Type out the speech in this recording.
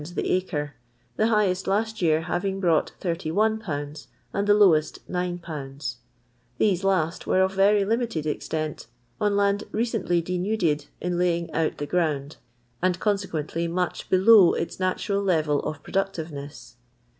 the acn: the highest last year having broirght IML, and m. lowe^t y/. ; these last were uf very limited iS tent, on land r. cently denuded in laying oijt ihu ground, and consequently much below its n.ir jr." level of productiveness.